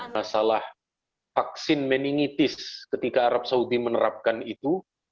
masalah vaksin meningitis ketika arab saudi menerapkan itu